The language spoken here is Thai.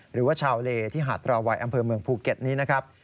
หรือว่าชาวเลที่หาดราวัยอำเภอเมืองภูเก็ตนี้นะครับ